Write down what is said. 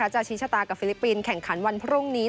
ชี้ชะตากับฟิลิปปินส์แข่งขันวันพรุ่งนี้